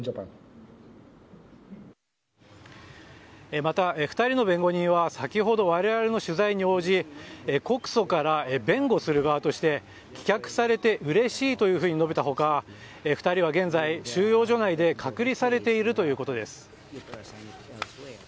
また、２人の弁護人は先ほど我々の取材に応じ告訴から弁護する側として棄却されてうれしいと述べた他２人は現在、収容所内で隔離されているということです。